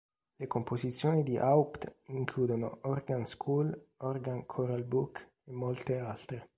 Le composizioni di Haupt includono "Organ school", "Organ choral book" e molte altre.